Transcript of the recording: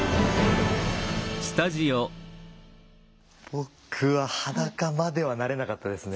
僕は裸まではなれなかったですね。